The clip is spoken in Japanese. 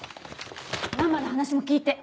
ママの話も聞いて。